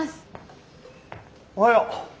おはよう。